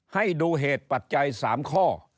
ให้ดูเหตุปัจจัย๓ข้อ